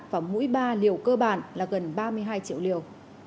và mũi ba liều cơ bản là gần ba mươi hai triệu liều